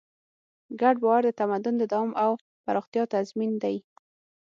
ګډ باور د تمدن د دوام او پراختیا تضمین دی.